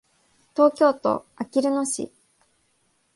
東京都あきる野市